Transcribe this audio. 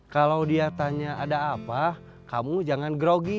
kalau dia tanya ada apa kamu jangan grogi